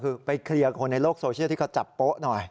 คือไปเคลียร์คนในโลกโซเชียลที่เขาจับโป๊ะหน่อย